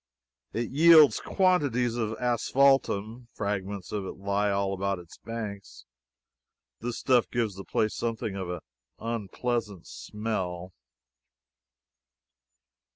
It yields quantities of asphaltum; fragments of it lie all about its banks; this stuff gives the place something of an unpleasant smell.